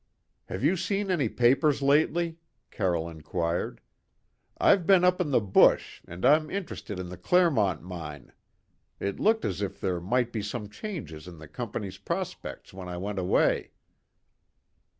"Have you seen any papers lately?" Carroll inquired. "I've been up in the bush and I'm interested in the Clermont mine. It looked as if there might be some changes in the company's prospects when I went away."